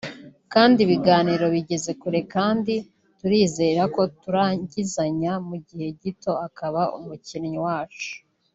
kandi ibiganiro bigeze kure kandi turizera ko turangizanya mu gihe gito akaba umukinnyi wacu”